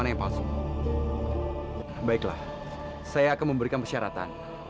semua ilmu ku hilang